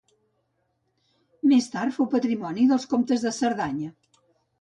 Més tard fou patrimoni dels comtes de Cerdanya.